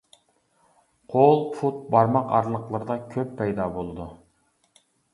قول، پۇت، بارماق ئارىلىقلىرىدا كۆپ پەيدا بولىدۇ.